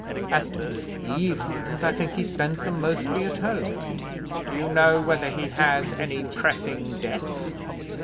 As to his evenings, I think he spends them mostly at home." "Do you know whether he has any pressing debts?"